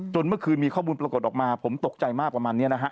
เมื่อคืนมีข้อมูลปรากฏออกมาผมตกใจมากประมาณนี้นะฮะ